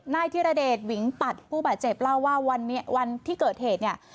ธิรเดชวิงปัดผู้บาดเจ็บเล่าว่าวันที่เกิดเหตุเนี่ย